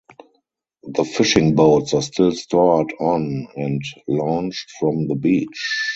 The fishing boats are still stored on and launched from the beach.